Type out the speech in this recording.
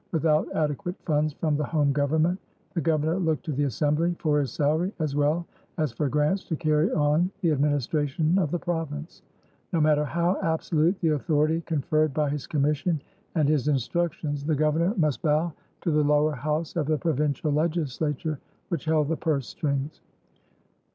Without adequate funds from the home Government, the Governor looked to the Assembly for his salary as well as for grants to carry on the administration of the province. No matter how absolute the authority conferred by his commission and his instructions, the Governor must bow to the lower house of the provincial Legislature, which held the purse strings.